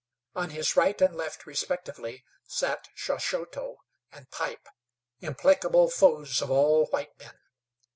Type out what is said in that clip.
On his right and left, respectively, sat Shaushoto and Pipe, implacable foes of all white men.